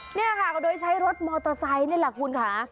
เนี่ยค่ะก็โดยใช้รถมอเตอร์ไซค์นี่แหละคุณค่ะ